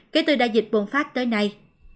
kể từ đại dịch bùng phát tới nay